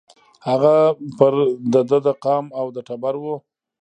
هغه پر د ده د قام او د ټبر وو